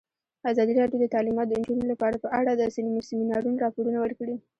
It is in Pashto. ازادي راډیو د تعلیمات د نجونو لپاره په اړه د سیمینارونو راپورونه ورکړي.